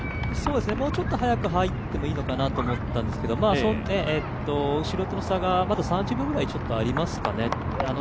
もうちょっと速く入ってもいいのかなと思ったんですけど後ろとの差がまだ３０秒ぐらいありますかね。